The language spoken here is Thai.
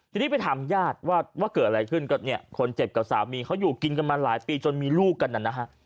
ทีนี้ไปถามญาติว่าเกิดอะไรขึ้นก็เนี่ยคนเจ็บกับสามีเขาอยู่กินกันมาหลายปีจนมีลูกกันนะฮะ